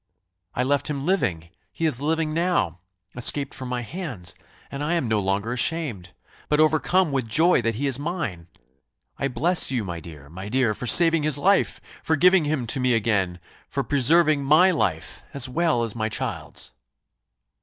I left him living he is living now escaped from my hands and I am no longer ashamed, but overcome with joy that he is mine! I bless you, my dear, my dear, for saving his life for giving him to me again for preserving my life, as well as my child's."